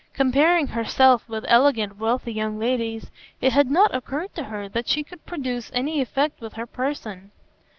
Comparing herself with elegant, wealthy young ladies, it had not occurred to her that she could produce any effect with her person.